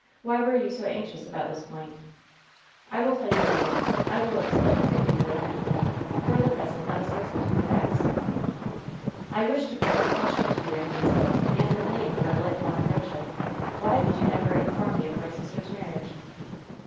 Why were you bo anxious about this point ?" "I will tell you later. I will explain everything later. For the present let us listen to the facts." "I wish to put one question to you, Anglesea, and in 240 WHEN SHADOWS DIE the name of our lifelong friendship : Why did you never inform mo of my sister's marriage